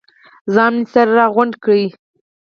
ځان مې سره راغونډ کړ.